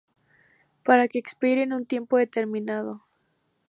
para que expire en un tiempo determinado